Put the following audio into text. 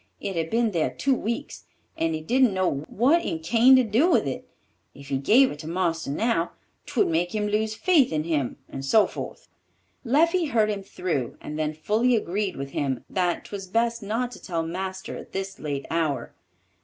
It had been there two weeks, and he didn't know what in cain to do with it. If he gave it to marster now, 'twould make him lose faith in him, and so forth." Leffie heard him through, and then fully agreed with him that 'twas best not to tell marster at this late hour.